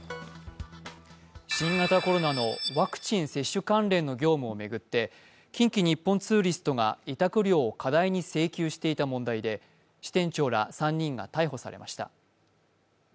新型コロナのワクチン接種関連の業務を巡って近畿日本ツーリストが委託料を過大に請求していた問題で支店長ら３人が逮捕されました。